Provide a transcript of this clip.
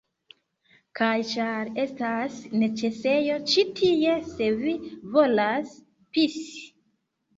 Kaj ĉar... estas neĉesejo ĉi tie se vi volas pisi